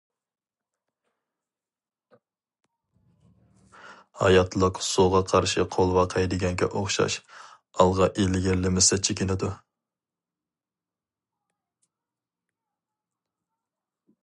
ھاياتلىق سۇغا قارشى قولۋاق ھەيدىگەنگە ئوخشاش، ئالغا ئىلگىرىلىمىسە چېكىنىدۇ.